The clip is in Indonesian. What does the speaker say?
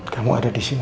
kamu ada di sini lagi